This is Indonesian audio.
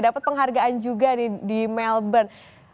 dapat penghargaan juga nih di melbourne